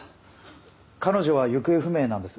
彼女は行方不明なんです。